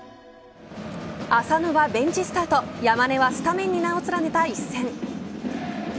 浅野はベンチスタート山根はスタメンに名を連ねた一戦。